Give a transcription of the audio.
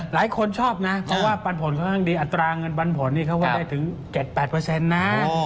หลายคนชอบนะเพราะว่าปันผลค่อนข้างดีอัตราเงินปันผลนี่เขาก็ได้ถึง๗๘นะ